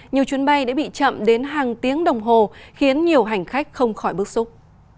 nhiều chuyến bay đã bị chậm đến hàng tiếng đồng hồ khiến nhiều hành khách không khỏi bức xúc